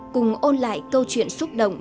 cùng ôn lại câu chuyện xúc động